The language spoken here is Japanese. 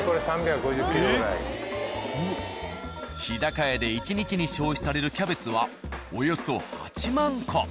「日高屋」で１日に消費されるキャベツはおよそ８万個。